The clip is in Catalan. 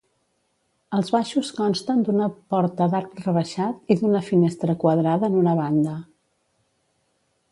Els baixos consten d'una porta d'arc rebaixat i d'una finestra quadrada en una banda.